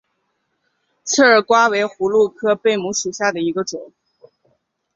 刺儿瓜为葫芦科假贝母属下的一个种。